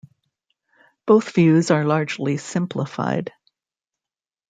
Both views are largely simplified.